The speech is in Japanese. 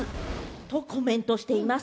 そうコメントしています。